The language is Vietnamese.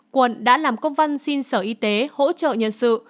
quận đã làm công văn xin sở y tế hỗ trợ nhân sự